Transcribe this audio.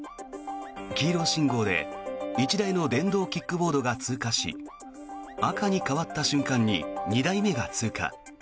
黄色信号で１台の電動キックボードが通過し赤に変わった瞬間に２台目が通過。